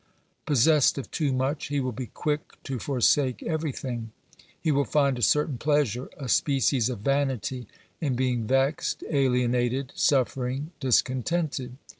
Possessed of too much, he will be quick to forsake everything. He will find a certain pleasure, a species of vanity, in being vexed, alienated, suffering, dis io8 OBERMANN contented.